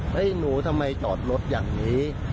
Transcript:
เห้ยหนูทำไมก็จอดรถอย่างนี้